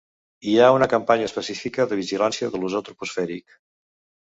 Hi ha una campanya específica de vigilància de l'ozó troposfèric.